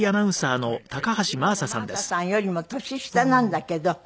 今の真麻さんよりも年下なんだけど。